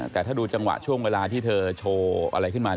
แต่ถ้าดูจังหวะช่วงเวลาที่เธอโชว์อะไรขึ้นมา